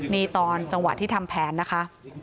นี่ตอนจังหวะที่ทำแผนนะคะ